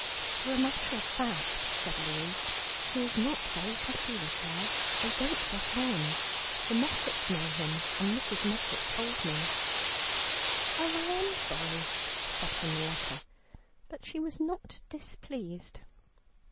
"For a matter of fact," said Louie, "he is not very happy with her; they don't get on. The Moffats know him, and Mrs. Moffatt told me." "Oh, I am sorry," said Henrietta, but she was not displeased.